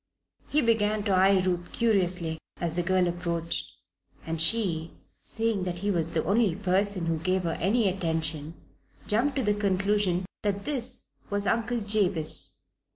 He began to eye Ruth curiously as the girl approached, and she, seeing that he was the only person who gave her any attention, jumped to the conclusion that this was Uncle Jabez.